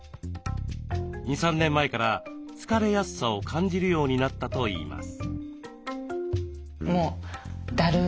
２３年前から疲れやすさを感じるようになったといいます。